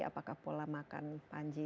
apakah pola makan panji